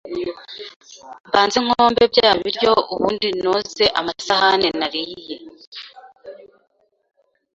mbanze nkombe bya biryo ubundi noze amasahane nariye